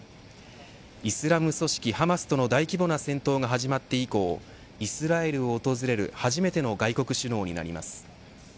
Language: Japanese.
イスラム組織ハマスとの大規模な戦闘が始まって以降イスラエルを訪れる初めての外国首脳になります。